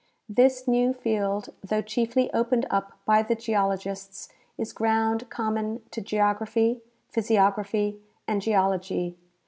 This new field, though chiefly opened up by the geologists, is ground common to geography, physiography and geology.